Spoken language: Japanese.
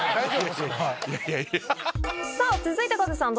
さぁ続いてカズさん